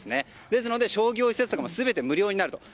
ですので商業施設も全て無料になる。